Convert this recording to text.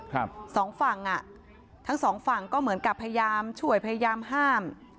สองฝั่งอ่ะทั้งสองฝั่งก็เหมือนกับพยายามช่วยพยายามห้าม